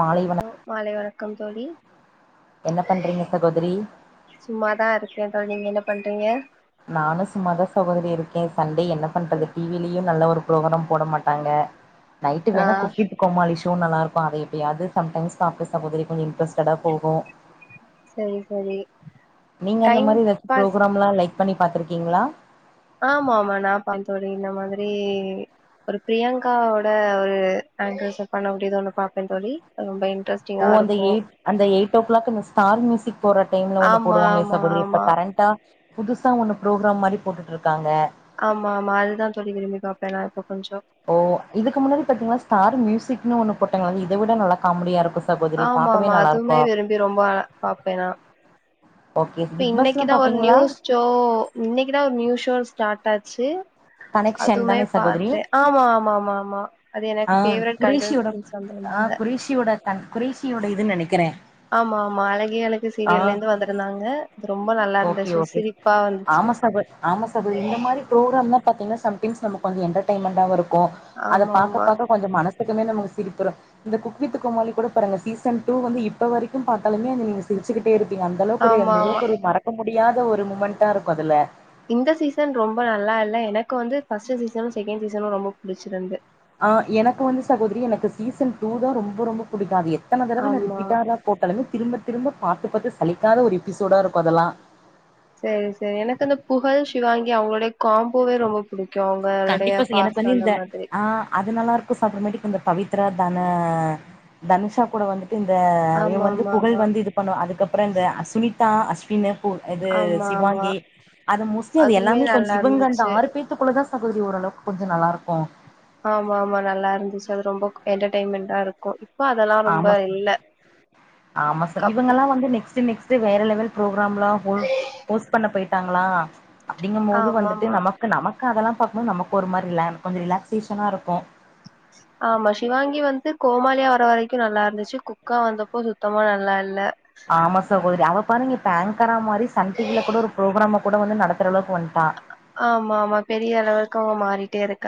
மாலை லோ வணக் மாலை வணக்கம் தோழி என்ன பண்றீங்க சகோதரி சும்மாதா இருக்கே தோழி நீங்க என்ன பண்றீங்க நானு சும்மாத சகோதரி இருக்கே சன் என்ன பண்றது டிவிலியு நல்ல ஒரு புரோகிராம் போட மாட்டாங்க நைட்டு ஆ வேணா குக் வித் கோமாளிஷோ நல்லா இருக் பாத எப்பியாது சம்டைம்ஸ் சாப்டு சகோதரி கொஞ்ச இன்டரெஸ்டாடா போகு சேரி சேரி நீங்க அந்த மாரி ஏதாச்சு புரோக்ராமல்லா லைக் பண்ணி பாத்திருக்கீங்களா ஆமா ஆமா நான்பா தோழி இந்த மாதிரி ஒரு பிரியங்காவோட ஒரு ஆங்கர்ஸ் பண்ண முடியுது ஒண்ணு பாப்பேன் தோழி ரொம்ப இன் ஓ அந்த எயிட் அந்த எயிட் ஓ கிளாக் அந்த ஸ்டார் மியூசிக் போற டைம்ல ஒண்ணு ஆமா போடுவாங்களே ஆமா சகோதரி இப்ப ஆமா கரண்டா புதுசா ஒன்னு புரோக்ராம் மாரி போட்டுட்டு இருக்காங்க ஆமா ஆமா அதுதா தோழி விரும்பி பாப்பே நா இப்ப கொஞ்சோ ஓ இதுக்கு முன்னாடி பாத்தீங்கின்னா ஸ்டார் மியூசிக் இன்னொனு போட்டங்கங்கள இதவிட உள்ள காமெடியா இருக்கு ச ஆமா ஆமா அதுமே விரும்பி ரொம்ப அ பாப்பே நா ஓகே இப்ப பிக் பாஸ்லா இன்னிக்குதா ஒரு பாப்பீங்களா நியூஸ்ஷோ இன்னிக்குதா ஒரு நியூஸ்ஷோஸ் டார்ட் ஆச்சி கனெக்ஷன் அதுமே தானே பாத்தே ஆமா ஆமா ஆமா ஆமா அது எனக்கு ஆஹ் ஃபேவரட் குரேஷியோட கண்டஸ்டன்ஸ் வந்திருந்தாங்க ஆஹ் குரேஷியோட தான் குரேஷியோட இதுன்னு நினைக்கிறேன் ஆமா ஆமா அழகே அழகு சீரியல்ல இருந்து வந்திருந்தாங்க அது ரொம்ப நல்லா ஓகே இருந்துச்சு ஓகே சிரிப்பா வந்துச்சு ஆமா சகோ ஆமா அட்லிஸ்ட் நமக்கு என்டர்டெயின்மென்ட இருக்கும் ப்போ அதை ஆமா ஆமா பார்க்க பாக்க கொஞ்சம் மனசக்குமே நம இருக்கும் இப்ப இந்த குக்வித் கோமாலி கூட பாருங்க சீசன் டூ வந்து இப்ப வரைக்கும் பார்த்தாலுமே நீங்க சிரிச்சுட்டே இரு அந்த அளவுக்கு ஒரு ஆமா எந்த ஆமா அளவுக்கு ஒரு மறக்க முடியும் முடியாத ஒரு மூமெண்டா இருக்கும் அதுல இந்த சீசன் ரொம்ப நல்லா இல்ல எனக்கு வந்து பர்ஸ்ட்ட் சீசனும் செகண்ட் சீசனும் ரொம்ப புடிச்சிருந்து ஆஹ் எனக்கு வந்து சகோதரி எனக்கு சீசன் டூ தான் ரொம்ப ரொம்ப பிடிக்குது எத்தனை தடவை ஆமா ரிப்பீடா அத போட்டாலுேமே திரும்ப திரும்ப பார்த்து பார்த்து சலிக்காத ஒரு எபிசோடா இருக்கும் அதெல்லாம் செரி செரி எனக்கு அந்த புகழ் சிவாங்கி அவங்களுடைய காம்போவே ரொம்ப புடிக்கும் கண்டிப்பா எனக்கு வந்து இந்த ஆஹ் அது நல்லா இருக்கும் சாப்பிட மேடிக்கு இந்த பவித் இந்த தன தனுச கூட வந்து இந்த ஆமா இன் வந்து ஆமா புகழ் ஆமா வந்து இது பண்ணுவ அதுக்கப்புறம் இந்த அஸ்மிதா அஸ் பின இப்போ அது ஆமா ஆமா சிவாங்கி அது மோஸ்ட்லி அது அதுமே எல்லாமே நல்லா கொஞ்சம் இவங்க இருந்துச்சு அந்த ஆறு பேத்துக்குள்ள தான் பகுதி ஓரளவுக்கு கொஞ்சம் நல்லா இருக்கும் ஆமா ஆமா நல்லா இருந்துச்சு அது ரொம்ப என்டர்டெயன்மெண்டா இருக்கும் இப்போ அதெல்லா ரொம்ப ஆமா இல்ல ஆமா கப் இவங்க எல்லாம் வந்து நெக்ஸ்ட் நெக்ஸ் வேற லெவல் ப்ரோகரம் பாம்லாம் போஸ்ட் பண்ண போயி்ருக்க டங்களா அப்படிங்கும் போது வந்துட்டு ஆமாமா நமக்கு நம அதெல்லாம் பாக்கும்போது நமக்கு ஒரு மாரி இல்ல கொஞ்சம் ரிலாக்சேஷனா இருக்கும் ஆமா சிவாங்கி வந்து கோமாளியா வர வரைக்கும் நல்லா இருந்துச்சு குக்கா வந்தப்போ சுத்தமா நல்லா இல்ல ஆமா சகோதரி அவ பாருங்க பேங்க் வர மாரி சன் டிவில கூட ஒரு புரோக்ராம் கூட வந்து நடத்துற அளவுக்கு வந்துட்டு ஆமா ஆமா பெரிய அளவுக்கு அவுங்க மாரி [unintelligible]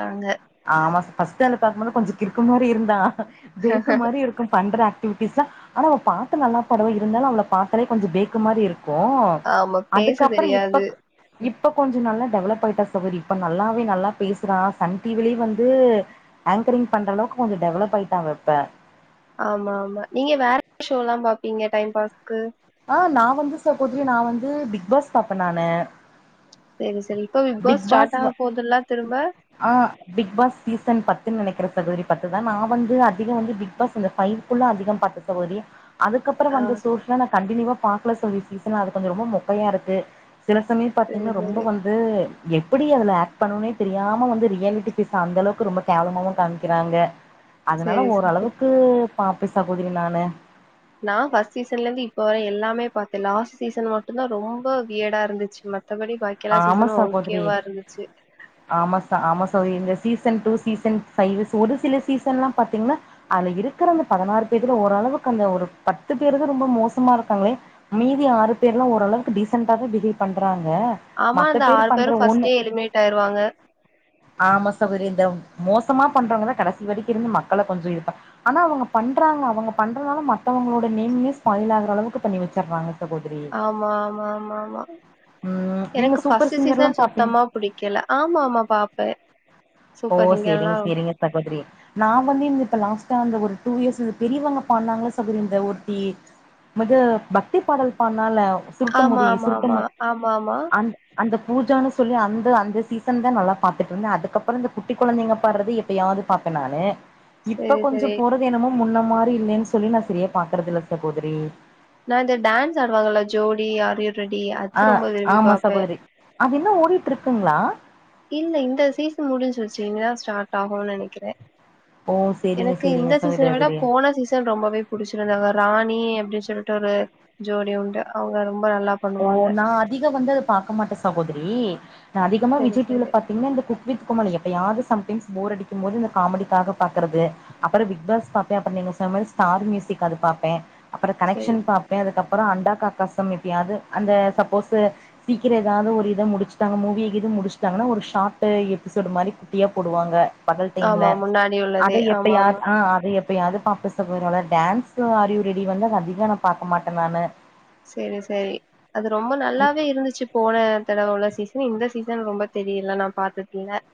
ஆமா பஸ்ட்டு பாக்கும் போது கொஞ்ச கிருக்கு மாரி இருந்தா பேக்கு மாரி இருக்கும் பண்ட்ரா கிவிட்டிஸ் ஆனா அவ பாட்டு நல்லா பாடுவா இருந்தாளு அவள பாத்தலே கொஞ்ச பேக்கு மாரி இருக்கு கு ஆமா பேச அதுக்கப்றோ இப்ப தெரியாது இப்ப கொஞ்ச நல்லா டெவலப் ஆயிட்டா சகோதரி இப்ப நல்லாவே நல்லா பேசுறா சன் டிவிலயு வந்து ஆங்கரிங் பண்ற அளவுக்கு கொஞ்ச டெவலப் ஆயிட்டா அவ இப்ப ஆமா ஆமா நீங்க வேற என்ன ஷோல்லா பாப்பீங்க டைம் பாஸுக்கு ஆ நா வந்து சகோதரி நா வந்து பிக் பாஸ் பாப்பே நானு சேரி சேரி பிக் பாஸ் ஆ பிக் பாஸ் சீசன் பத்துனு நெனக்குறே சகோதரி பத்து நா வந்து அதிக வந்து பிக் பாஸ் அந்த ஃபைவ் குள்ள அதிகம் பாத்தே சகோதரி அதுக்கப்பறோ ஆ வந்த ஷோஸ்ல்லா நா கண்டினியூவா பாக்கல தோழி சீசனா அது கொஞ்ச ரொம்ப மொக்கையா இருக்கு சில சமய சரி பாத்தீங்கனா ரொம்ப சரி வந்து எப்டி அதுல ஆக்ட் பண்ணுனே தெரியாம வந்து ரியாலிட்டி பேஸ் அந்த அளவுக்கு ரொம்ப கேவலமாவு காமிக்குறாங்க அதனால சரி ஓரளவுக்கு பாப்பே சகோதரி நானு நா பஸ்ட் சீசன்ல இருந்து இப்ப வர எல்லாமே பாத்தே லாஸ்ட் சீசன் மட்டுந்தா ரொம்ப வியடா இருந்துச்சு ம ஆமா சகோதரி ஆமாச ஆமா சகோதரி சீசன் டூ சீசன் ஃபைவு ஒரு சில சீசன்லா பாத்தீங்கனா அதுல இருக்குற அந்த பதினாறு பேர்ல ஓரளவுக்கு அந்த ஒரு பத்து பேரு தா ரொம்ப மோசமா இருக்காங்களே மீதி ஆறு பேர்லா ஓரளவுக்கு டீசென்ட்டாக தா பிஹேவ் பண்ணறாங்க ஆமா அந்த ஆறு பேரும் ஃபர்ஸ்ட் டே எலிமினேட் ஆயிருவாங்க ஆமா சகோதரி இந்த மோசமா பண்றவங்கதா கடசி வரைக்கு இருந்து மக்கள கொஞ்ச இதுப்ப ஆனா அவுங்க பண்றாங்க அவுங்க பண்றனால மத்தவங்களோட நேம்யே ஸ்பாயில் ஆகுற அளவுக்கு பண்ணி வச்சுர்றாங்க ஆமா ஆமா ஆமா ஆமா ம் நீங்க எனக்கு சூப்பர் ஃபஸ்ட்டு சிங்கர்லா சீசன் பாப்பீங் சுத்தமா புடிக்கல ஆமா ஆமா பாப்பே ஓ சூப்பர் சிங்கர்லா சேரிங்க சேரிங்க சகோதரி நா வந்து இந்த இப்ப லாஸ்ட் ந்த ஒரு டூ இயர்ஸ் பெரியவங்க பாடுனாங்கள சகோதரி ஒருத்தி மிக பக்தி பாடல் பாடுனால ஆமா சுருட்டுமுடி ஆமா ஆமா சுருட்டுமு ஆமா ஆமா அந் அந்த பூஜான்னு சொல்லி அந்த அந்த சீசன் தா நல்லா பாத்துட்டு இருந்தே அதுக்கப்றோ இந்த குட்டி குழந்தைங்க பாடுறது எப்ப யாது பாப்பே நானு இப்ப செரி கொஞ்ச செரி போறது என்னமோ முன்ன மார் இல்லன்னு சொல்லி நா சரியா பாக்குறதகல்ல சகோதரி நா இந்த டான்ஸ் ஆடுவாங்கல்ல ஜோடி ஆர் யு அ ஆமா சகோதரி அது இன்னு ஓடிட் இருக்குங்களா இல்ல இந்த சீசன் முடிஞ்சிருச்சி இனிமே தா ஸ்டார்ட் ஆகுனு நெனைக்கிறே ஓ சேரிங்க எனக்கு இந்த சேரிங்க சீசன விட சகோதரி போன சீசன் ரொம்பவே புடிச்சிருந்தாங்க ராணி அப்டி சொல்ட்டு ஒரு ஜோடிண்டு அவுங்க ரொ ஓ நா அதிக வந்து அத பாக்க மாட்டே சகோதரி நா அதிகமா சரி விஜய் டீவில சரி பாத்தீங்கன்னா இந்த குக் வித் கோமாளி எப்பயாது சம்டைம்ஸ் போர் அடிக்கும் போது இந்த காமெடிக்காக பாக்றது அப்றோ பிக்பாஸ் பாப்பே அப்றோ நீங்க சொன்ன மேரி ஸ்டார் மியூசிக் அது பாப்பே அப்றோ சரி கனெக்ஷன் பாப்பே அதுக்கப் அப்றோ அண்டாக்கக்கசம் எப்பயாது அந்த சப்போஸு சீக்ரோ ஏதயாது ஒரு இத முடிச்சுட்டாங்க மூவிய இது முடிச்சுட்டாங்கன்னா ஒரு ஷாட் டே எபிசோட் மாரி குட்டியா போடுவாங்க பகல் டைம்ல ஆமா முன்னாடி உள்ளதே அத ஆமா எப்பயாது ஆமா ஆ அத எப் எப்பயாது பாப்பே சகோதரி ஆனா டான்ஸ் ஆர் யு ரெடி வந்து அதிகமா நா பாக்க மாட்ட நானு செரி ச செரி அது ரொம்ப நல்லாவே இருந்துச்சி போன தடவ உள்ள சீசன் இந்த சீசன் ரொம்ப தெரியல நா பாத்ததில்ல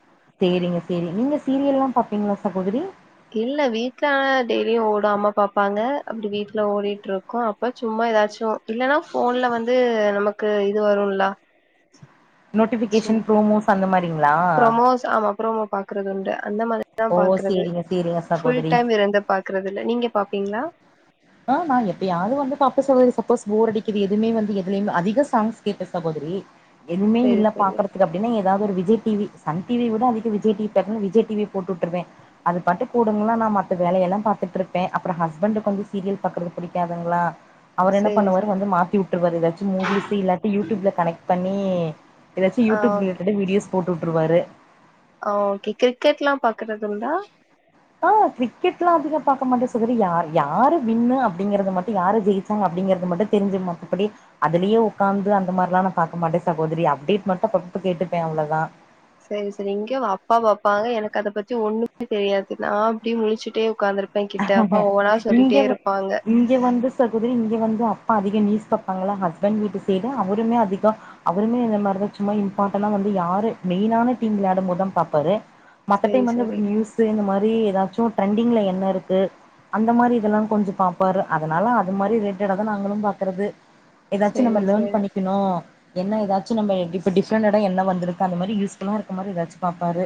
சேரிங்க சேரிங்க நீங்க சீரியல்லா பாப்பீங்களா சகோதரி இல்ல வீட்ல ஆனா டெய்லியு ஓடு அம்மா பாப்பாங்க அப்டி வீட்ல ஓடிட்டு இருக்கோ அப்ப சும்மா ஏதாச்சு இல்லன்னா ஃபோன்ல வந்து நமக்கு இது வருல்ல நோட்டிஃபிக்கேஷன் ப்ரோமோஸ் அந்த மாரி ப்ரமோஸ் ஆமா ப்ரமோ பாக் க்கரதுண்டு அந்த மாரி தா ஓ பாக்றது சேரிங்க சேரிங்க ஃபுல் சகோதரி டைம் இருந்து பாக்றது இல்ல நீங்க பாப்பீங்களா ஆ நா எப்பயாது வந்து பாப்பே சகோதரி சப்போஸ் போர் அடிக்குது எதுமே வந்து எதுலுமே அதிக சாங்ஸ் கேப்ப சகோதரி எதுமே சேரி இல்ல சேரி பாக்கறதுக்கு அப்டின்னா ஏ ஏதாவ்து ஒரு விஜய் டீவி சன் டீவிய விட அதிக விஜய் டீவிய பாக்கனோனு விஜய் டீவிய போட் உட்றுவ அது பாட்டுக்கு ஓடுங்களா நா மத்த வேலையெல்லா பாத்துட்ருப்பே அப்றோ ஹஸ்பண்டுக்கு வந்து சீரியல் பாக்றது புடிக்காதுங்களா அவர் என்ன சேரி பண்ணுவாரு சேரி வந்து மாத்தி உட்டுருவாரு ஏதாச்சு மூவிஸ் இல்லாட்டி யூடியூப்ல கனெக்ட் பண்ணி எதாச்சு ஆ யூடியூப் ஓகே இருக்குற வீடியோஸ் போட்டு உட்ருவாரு ஆ ஓகே கிரிக்கெட்ல்லா பாக்குறதுண்டா ஆ க்ரிக்கெட்ல்லா அதிக பாக்க மாட்டே சகோதரி யாரு யார் வின்னோ அப்டிங்கிறது மட்டு யாரு ஜெயிச்சாங்க அப்டிங்கறது மட்டு தெரிஞ்சு மத்தபடி அதிலியே ஒக்காந்து அந்த மாரிலா நா பாக்க மாட்டே சகோதரி அப்டேட் மட்டு அப்பப்போ கேட்டுப்பே அவ்ளோ தா செரி செரி இங்க அப்பா பாப்பாங்க எனக்கு அத பத்தி ஒண்ணுமே தெரியாது நா அப்டியே முலிச்சுட்டே ஒக்காந்துருப் இங்க வந்து சகோதரி இங்க வந் அப்பா அதிக நியூஸ் பாப்பாங்களா ஹஸ்பண்ட் வீட்டு சைடு அவருமே அதிக அவருமே இந்த மாரி தா சும்மா இம்பார்ட்டனா வந்து யாரு மெய்னான டீம் விளாடும்போது தா பாப்பாரு மத்த சேரி டைம் வந்து இவரு சேரி நியூஸ் இந்த மாரி ஏ எதாச்சு ட்ரெண்டிங்ல என்ன இருக்கு து அந்த மாரி இதெல்லா கொஞ்ஜோ பாப்பாரு அதனால அது மாரி ரிலேட்டடா தா நாங்களு பாக்குறது எதாச்சு சேரி நம்ம லேன் சேரி பண்ணிக்கணு என்ன எதாச்சு நம்ப இப்போ டிஃப்ரெண்ட்டடா என்ன வந்திருக்கு அந்த மாரி யூஸ்ஃபுல்லா இருக்குற மாரி எதாச்சு பாப்பாரு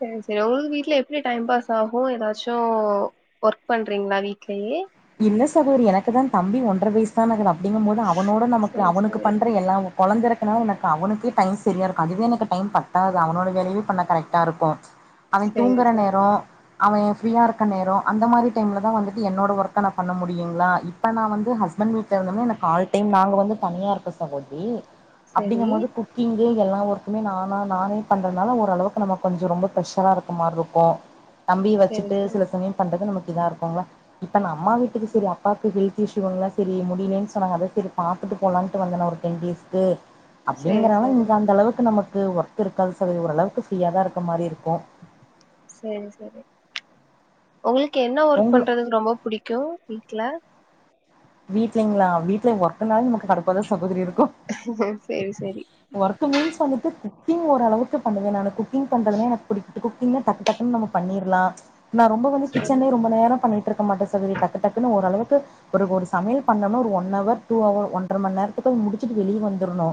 சரி சரி உங்களுக்கு வீட்ல எப்டி டைம் பாஸ் ஆகு ஏதாச்சு ஒர்க் பண்றீங்களா வீட்லயே இல்ல சகோதரி எனக்கு தா தம்பி ஒன்றர வயசதானக்குது அப்டிங்கும் போது அவனோட நமக்கு சேரி அவனுக் சேரி பன்ற எல்லா குழந்த இருக்கறனால எனக்கு அவனுக்கே டைம் சரியா இருக்கு அதுவே எனக்கு டைம் பத்தாது அவனோட வேலவே பண்ண கரெக்டா இருக்கு அவ சேரி தூங்குற சேரி நேரோ அவே ஃப்ரியா இருக்கிற நேரோ அந்த மாரி டைம்ல தா வந்து என்னோட ஒர்க் கனா பண்ண முடியுங்களா இப்ப நா வந்து ஹஸ்பண்ட் வீட்ல இருந்தமே எனக்கு ஆல் டைம் நாங்க வந்து தனியா இருக்க சகோதரி சேரி அப்டிங்கும் போது குக்கிங் இத எல்லா ஒர்க்குமே நானாக நானே பண்றனால ஓரளவுக்கு நம்ம கொஞ்ச ரொம்ப ப்ரெஷராக இருக்க மாரி இருக்கு தம்பி சேரி வச்சிட்டு சேரி சில சமயம் பண்றதுக்கு நமக் இங்கேதா இருக்கங்களா இப்போனா அம்மா வீட்டுக்கு சரி அப்பாவுக்கு ஹெல்த இஷ்யுங்களா சரி முடியலேன்னு சொன்னாங்க அதா சரி பார்த்துட்டு போலான்டு வந்தே ஒரு டென் டேஸ்க்கு சேரி அப்டிங்கறால சேரி இங்க அந்த அளவுக்கு நமக் க்கு ஒர்கு இருக்காது சகோசரி ஓரளவுக்கு ஃப்ரீயா தா இருக்க மாரி இருக்கு சரி சரி உங்களுக்கு என்ன ஒர்க் உங்க பண்றதுக்கு ரொம்ப பிடிக்கு வீட்ல வீட்லீங்களா வீட்டுல ஒர்க்னஒர்க்னால நமக்கு கடுப்பாதா சகோதரி இருக் சேரி சேரி ஒர்க் மீன்ஸ் வந்துட்டு குக்கிங் ஓரளவுக்கு பண்ணுவே நானு குக்கிங் பண்றதுல எனக்கு பிடிக்கு குக்கிங் டக்கு டக்குன்னு நம்ம பண்ணிறலா நா ரொம்ப வந்து சரி கிச்சன்லே ரொம்ப நேரோ பண்ணிட்டு இருக்க மாட்டேசகோதரி டக்கு டக்குன்னு ஓரளவுக்கு ஒரு ஒரு சமையல் பண்ணனா ஒரு ஒன் ஹவர் டு ஹவர் ஒன்றர மண் நேரத்துலே முடிச்சுட்டு வெளிய வந்துரணு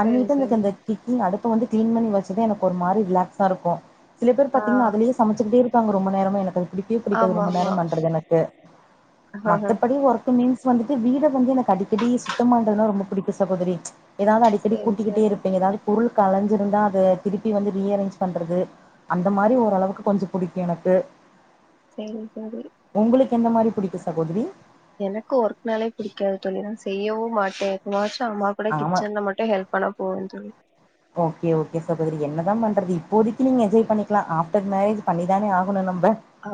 சரி சரி எனக்கந்த இந்த [unintelligible] அந்த அடுப் அடுப்ப வந்து கிளீன் பண்ணி வச்சதா எனக்கு ஒரு மாரி ரிலாக்ஸா இருக்கு சில பேர் ஆ பாத்தீங்கனா அதுலேய சமைச்சுட்டே இருப்பாங்க ரொம்ப நேரமே எனக்கு அது பிடிக்கவே பிடிக்கது ஆமா ரொம்ப நேரோ ஆமா பண்றது எனக்கு ஆஹ மத்தபடி ஒர்கு மீன்ஸ் எனக்கு வந்துட்டு வீட வந்து எனக்கு அடிக்கடி சுத்தபற்றதுன ரொம்ப பிடிக்கு சகோதரி ஏதாவது எப்டி சேரி கூட்டிகிக்கிட்டே சரி இருப்பேங்க ஏதாவது பொருள் கலஞ்சிருந்தா அத திருப்பி வந்து ரீ அரேஞ்ச் பண்ணுறது அந்த மாதிரி ஓரளவுக்கு கொஞ்சோ புடிக்கு எனக்கு சேரி சேரி உங்களுக்கு எந்த மாரி புடிக்கு சகோதரி எனக்கு ஒர்க்னாலே பிடிக்காது தோழி செய்யவு மாட்டே அம்மா கூட ஆமா கிச்சன்ல மட்டும் ஹெல்ப் பண்ணா போதும் என்ன தான் பண்றது இப்போதைக்கு நீங்க என்ஜாய் பண்ணிக்லா ஆவ்டர் மேரஜ் பண்ணித்தானே ஆகணு நம்ப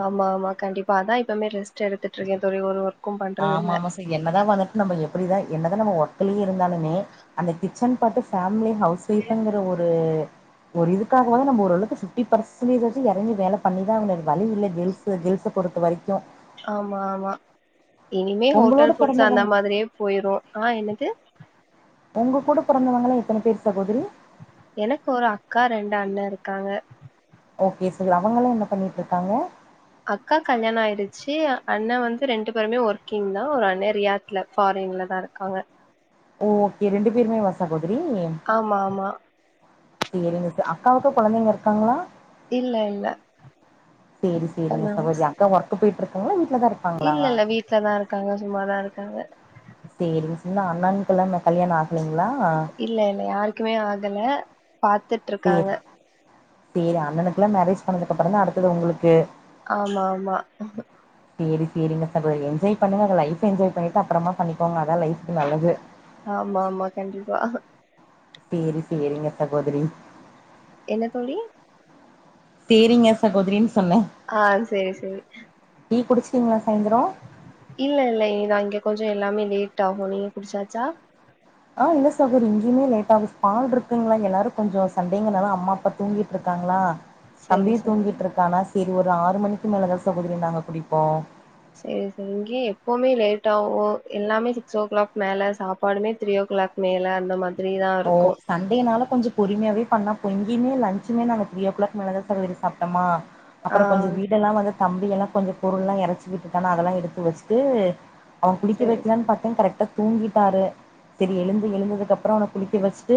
ஆமா ஆமா கண்டிப்பா அதான் இப்பவுமே ரெஸ்ட் எடுத்துட்டு இருக்கேன் தோழி ஒரு பண்றது ஆமா இல்ல ஆமா சார் என்னதா வந்துட்டு நம்ம எப்டிதா என்னதா நம்ம ஒர்கலயே இருந்தாலுமே அந்த கிச்சன் பட்டு ஹவுஸ் வொய்ப்ங்கிற ஒரு ஒரு இதுக்காகவது நம்ம ஓரளவுக்கு பிப்டி பர்சன்டேஜ்சாச்சு எறங்கி வேல பண்ணிதா ஆகனு வேற வழி இல்ல கேள்ஸ் கேல்ஸ பொறுத்த வரைக்கு ஆமா ஆமா இனிமே உங்களோட ஹோட்டல் ஃபுட்ஸ் அந்த பொறந்தவங்க மாதிரியே போயிரு ஆ என்னது ஒங்க கூட பிறந்தவங்களாங் எத்தன பேரு சகோதரி எனக்கு ஒரு அக்கா ரெண்டு அண்ணே இருக்காங்க ஓகே ச அவங்களா என்ன பண்ணிட்டு இருக்காங்க அக்கா கல்யாணம் ஆயிடுச்சு அண்ண வந்து ரெண்டு பேருமே ஒர்க்கிங் தா ஒரு அண்ணே ரியாத்ல ஃபாரின்ல தா இருக்காங்க ஓகே ரெண்டு பேருமே வசா கொடுச்சு ஆமா ஆமா சரி நி அக்காவுக்கு கொழந்தைங்க இருக்காங்ளா இல்ல இல்ல சேரி சேரிங்க இப்பதா சகோதரி அக்கா போயிட்டு இருக்காங்க இல்ல இல்ல வீட்லதா இருக்காங்க சும்மாதா இருக்காங்க சேரி இன்னு அண்ணானுக்கு எல்லா கல்யாண ஆகல்லீங்க இல்ல இல்ல யாருக்குமே ஆகல பாத்துட்டு இருக்காங்க சரி அண்ணனுக்கெலா மேரேஜ் பண்ணதுக்கு அப்றதா அடுத்தது ஒங்களுக்கு ஆமா ஆமா சேரி சேரிங்க சகோதரி என்ஜாய் பண்ணுங்க லைஃப் என்ஜாய் பண்ணிட்டு அப்புறமா பண்ணிக்கோங்க அதா லைஃப்க்கு நல்லது ஆமா ஆமா கண்டிப்பா சேரி சேரிங்க சகோதிரி என்ன தோழி சேரிங்க சகோதரின்னு சொன்னே ஆ சேரி சேரி டீ குடிச்சிங்களா இல்ல இல்ல இதா இங்க கொஞ்சோ எல்லாமே லே ட்டாகு நீங்க குடிச்சாச்சா ஆ இல்ல சகோதிரி இங்கியுமே லேட் ஆகு பால் இருக்குங்களா எல்லாரு கொஞ்சோ சன்டேங்காலு அம்மா அப்பா தூங்கிட்டு இருக்காங்களா சேரி தம்பி சேரி தூங்கிட்டு இருக்கான இது ஒரு ஆறு மணிக்கு மேலதா சகோதரி நாங்க குடிப்போ சேரி சேரி இங்கே எப்போமே லேட் ஆவு எல்லாமே சிக்ஸ் ஓ கிளாக் மேல சாப்பாடுமே த்ரீ ஓ கிளாக் மேல அந்த மாதி ஓ சண்டேனால கொஞ்சோ பொறுமையாவே பண்ணா பொங்கியுமே லன்ச்சுமே நாங்க த்ரீ ஓக்ளாக் மேலே தா சகோதரி சாப்ட்டமா ஆ அப்புறோ கொஞ்சோ வீடெல்லா வந்து தம்பி எல்லா கொஞ்சோ பொருள்ல்லா இறச்சி விட்டுதானா அதெல்லா எடுத்து வச்சிட்டு அவன் குளிக்க சேரி வைக்கலான்னு பாத்தே கரெக்டா தூங்கிட்டாரு சேரி எழுந்து எழுந்ததுக்கு அப்புறோ அவன குளிக்க க்கி வச்ட்டு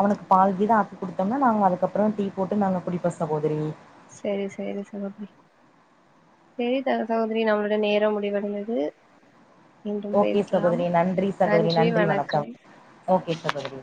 அவனுக்கு பால் கீத ஆக்கி குடுத்தம்னா நாங்க அதுக்கப்புறமா டீ போட்டு நாங்க குடிப்போ சகோதரி சேரி சேரி சகோதரி சேரி த சகோதரி நம்மளோட நேரம் முடிவடைந்தது மீண்டும் ஓகே பேசலாம் சகோதரி நன்றி சகோதரி நன்றி வணக்கம் ஓகே சகோதரி